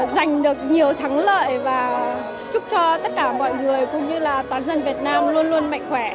giành được nhiều thắng lợi và chúc cho tất cả mọi người cũng như là toàn dân việt nam luôn luôn mạnh khỏe